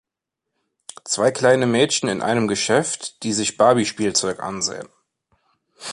Zwei kleine Mädchen in einem Geschäft, die sich Barbie-Spielzeug ansehen.